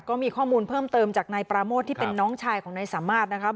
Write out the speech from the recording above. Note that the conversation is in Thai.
ก็มีข้อมูลเพิ่มเติมจากนายปราโมทที่เป็นน้องชายของนายสามารถนะครับ